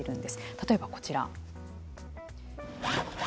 例えばこちら。